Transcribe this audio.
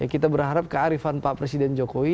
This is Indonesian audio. kita berharap kearifan pak presiden jokowi